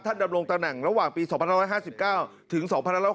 ท่านดำรงตนั่งระหว่างปี๒๕๕๙ถึง๒๖๖๒